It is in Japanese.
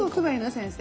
先生。